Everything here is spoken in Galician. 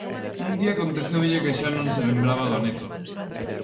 Un día aconteceulle que xa non se lembraba do neto.